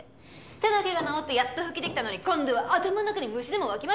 手の怪我治ってやっと復帰できたのに今度は頭の中に虫でも湧きました？